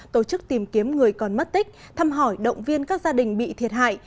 tổ chức tìm kiếm người còn mất tích thăm hỏi động viên các gia đình bị thiệt hại